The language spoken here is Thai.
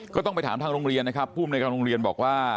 ก็ต้องไปถามทางโรงเรียนนะครับผู้อำนวยการโรงเรียนบอกว่า